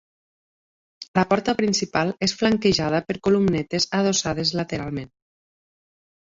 La porta principal és flanquejada per columnetes adossades lateralment.